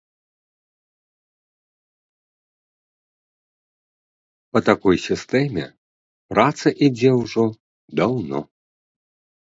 Па такой сістэме праца ідзе ўжо даўно.